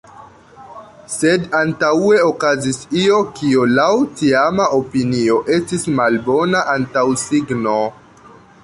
Sed antaŭe okazis io, kio, laŭ tiama opinio, estis malbona antaŭsigno.